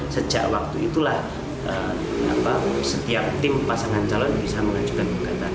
sejak waktu itulah setiap tim pasangan calon bisa mengajukan gugatan